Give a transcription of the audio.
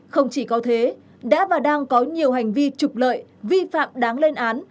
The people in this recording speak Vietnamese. không chỉ có thế đã và đang có nhiều hành vi trục lợi vi phạm đáng lên án